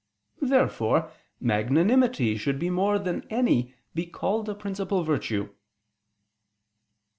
Therefore magnanimity should more than any be called a principal virtue.